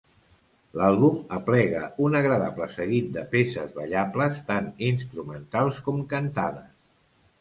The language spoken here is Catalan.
L’àlbum aplega un agradable seguit de peces ballables, tant instrumentals com cantades.